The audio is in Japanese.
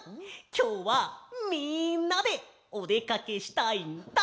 きょうはみんなでおでかけしたいんだ！